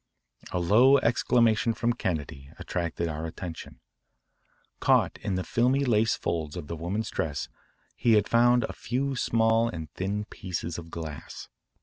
A low exclamation from Kennedy attracted our attention. Caught in the filmy lace folds of the woman's dress he had found a few small and thin pieces of glass.